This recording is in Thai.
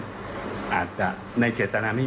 แม่จะมาเรียกร้องอะไร